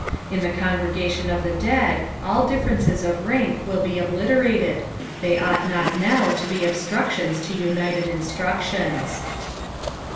In the congregation of the dead all differences of rank will be obliterated, they ought not now to be obstructions to united instrucliona.